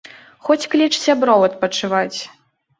Хоць кліч сяброў адпачываць!